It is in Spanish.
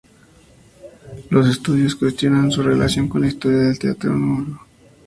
Los estudiosos cuestionan su relación con la historia del teatro Nō..